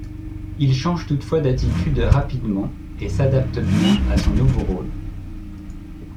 Il change toutefois d'attitude rapidement et s'adapte bien à son nouveau rôle.